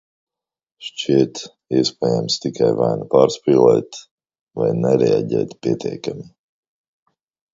Šķiet, iespējams tikai vai nu pārspīlēt, vai nereaģēt pietiekami.